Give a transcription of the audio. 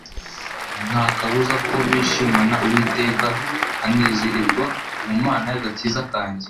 nta kabuza ko nishimana Uwiteka, nkanezererwa mu Mana y'agakiza kanjye